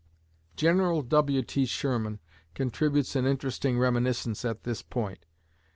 General W.T. Sherman contributes an interesting reminiscence at this point.